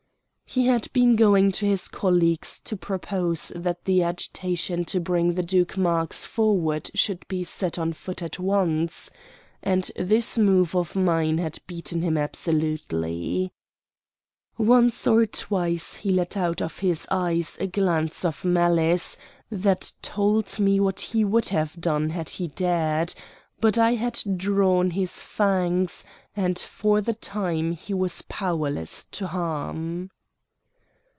He had been going to his colleagues to propose that the agitation to bring the Duke Marx forward should be set on foot at once; and this move of mine had beaten him absolutely. Once or twice he let out of his eyes a glance of malice that told me what he would have done had he dared; but I had drawn his fangs, and for the time he was powerless to harm.